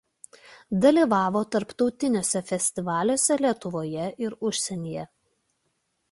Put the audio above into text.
Dalyvavo tarptautiniuose festivaliuose Lietuvoje ir užsienyje.